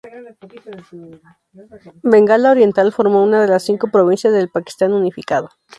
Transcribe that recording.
Bengala Oriental formó uno de las cinco provincias del Pakistán unificado.